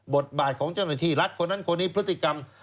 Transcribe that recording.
บทบาทของเจ้าหน้าที่รัฐคนนั้นคนนี้พฤติกรรม